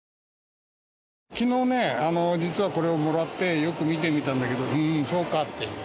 昨日ねあの実はこれをもらってよく見てみたんだけどうんそうかって。